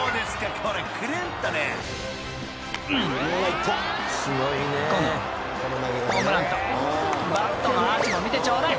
［このホームランとバットのアーチも見てちょうだい］